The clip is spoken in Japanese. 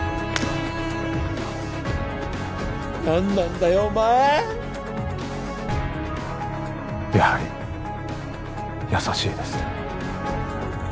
何なんだよお前やはり優しいですね